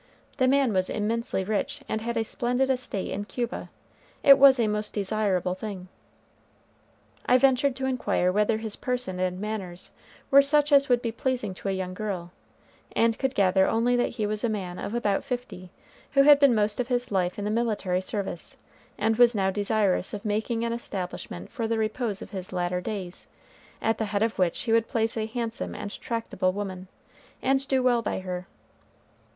The man was immensely rich, and had a splendid estate in Cuba. It was a most desirable thing. I ventured to inquire whether his person and manners were such as would be pleasing to a young girl, and could gather only that he was a man of about fifty, who had been most of his life in the military service, and was now desirous of making an establishment for the repose of his latter days, at the head of which he would place a handsome and tractable woman, and do well by her.